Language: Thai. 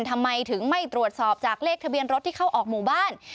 ทำไมถึงไม่ตรวจสอบจากเลขทะเบียนรถที่เข้าออกหมู่บ้าน